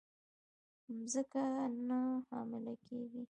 مځکه نه حامله کیږې